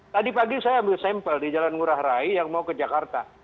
tadi pagi saya ambil sampel di jalan ngurah rai yang mau ke jakarta